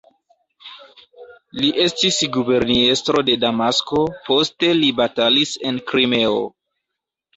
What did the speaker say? Li estis guberniestro de Damasko, poste li batalis en Krimeo.